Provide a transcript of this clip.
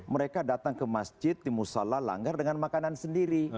mereka datang ke masjid di musola langgar dengan makanan sendiri